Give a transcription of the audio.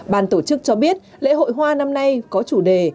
ban tổ chức cho biết lễ hội hoa năm nay có chủ đề